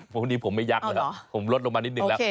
พวกนี้ผมไม่ยักษ์แล้วผมลดลงมานิดนึงแล้ว